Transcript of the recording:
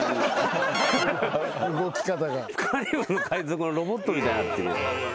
カリブの海賊のロボットみたいになってる。